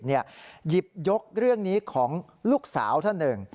หยิบยกเรื่องนี้ของลูกสาวท่านหนึ่ง